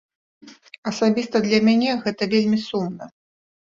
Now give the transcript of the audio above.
Асабіста для мяне гэта вельмі сумна.